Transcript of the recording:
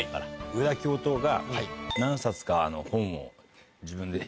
上田教頭が何冊か本を自分で出版。